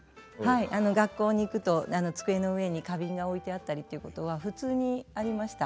学校に行くと机の上に花瓶が置いてあったりということは普通にありました。